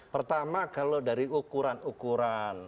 pertama kalau dari ukuran ukuran